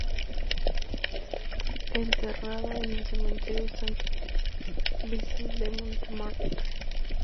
Está enterrado en el Cementerio Saint-Vincent de Montmartre.